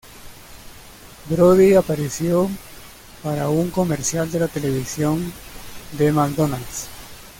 Brody apareció para un comercial de la televisión de "McDonalds".